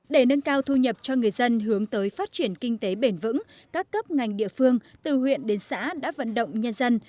để nâng cao thu nhập cho người dân hướng tới phát triển kinh tế bền vững các cấp ngành địa phương từ huyện đến xã đã vận động nhân dân